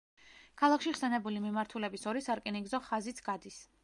ქალაქში ხსენებული მიმართულების ორი სარკინიგზო ხაზიც გადის.